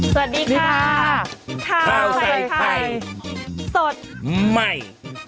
สวัสดีค่ะค่าไทยสดไหม้